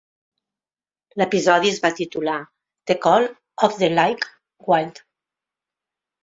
L'episodi es va titular "The Call of the, Like, Wild".